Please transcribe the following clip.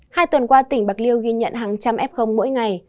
hai tuần qua tỉnh bạc liêu ghi nhận hàng trăm f mỗi ngày